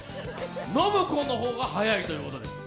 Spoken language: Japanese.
信子の方が速いということで。